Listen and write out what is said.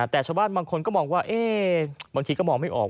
แต่ชาวบ้านบางคนก็มองว่าบางทีก็มองไม่ออก